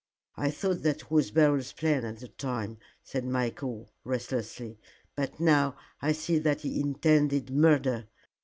I thought that was Beryl's plan at the time," said Michael, restlessly, "but now I see that he intended murder.